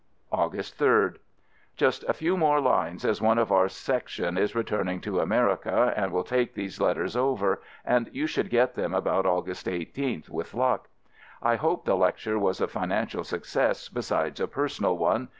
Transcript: August 3d. Just a few more lines, as one of our Sec tion is returning to America and will take these letters over, and you should get them about August 18th, with luck. I hope the lecture was a financial success besides a personal one!